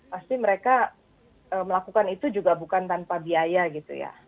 pasti mereka melakukan itu juga bukan tanpa biaya gitu ya